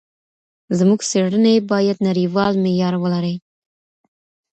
زموږ څېړني باید نړیوال معیار ولري.